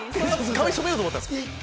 髪染めようと思ったんですか？